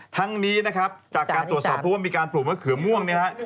ทั้งนี้นะครับจากการตรวจสอบพูดว่ามีการปลูกมะเขือม่วง